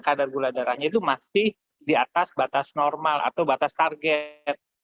kadar gula darahnya itu masih di atas batas normal atau batas target